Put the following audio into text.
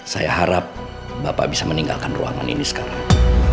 saya harap bapak bisa meninggalkan ruangan ini sekarang